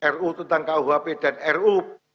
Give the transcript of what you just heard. ru tentang kuhp dan ru